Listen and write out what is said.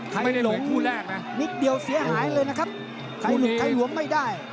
ไข่หลงนิดเดียวเสียหายเลยนะครับไข่หลุกไข่หวงไม่ได้